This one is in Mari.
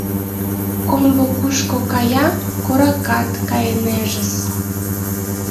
Комбо кушко кая, коракат кайнеж-ыс.